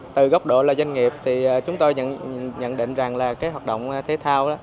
từ góc độ doanh nghiệp thì chúng tôi nhận định rằng là các hoạt động thể thao